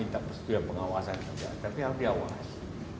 tapi harus diawasi